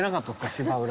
芝浦。